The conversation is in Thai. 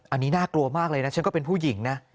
อันนี้น่ากลัวมากเลยนะฉันก็เป็นผู้หญิงนะ